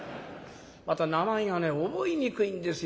また名前がね覚えにくいんですよ。